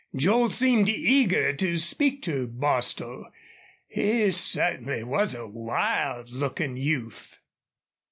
Joel seemed eager to speak to Bostil. He certainly was a wild looking youth.